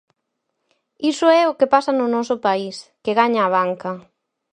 Iso é o que pasa no noso país: que gaña a banca.